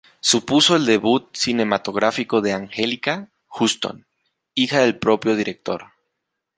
Supuso el debut cinematográfico de Anjelica Huston, hija del propio director.